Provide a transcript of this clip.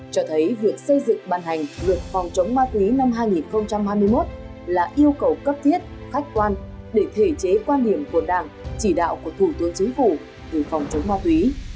cho thấy việc xây dựng ban hành luật phòng chống ma túy năm hai nghìn hai mươi một là yêu cầu cấp thiết khách quan để thể chế quan điểm của đảng chỉ đạo của thủ tướng chính phủ về phòng chống ma túy